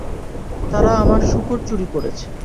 তারা আমার শূকর চুরি করেছে।